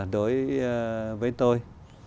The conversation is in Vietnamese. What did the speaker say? đối với tôi